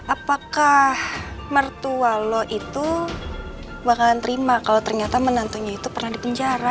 apakah mertua lo itu bakalan terima kalau ternyata menantunya itu pernah di penjara